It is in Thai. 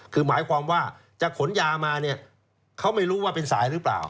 คือหมายความว่าจะขนยามาเนี่ยเขาไม่รู้ว่าเป็นสายหรือเปล่า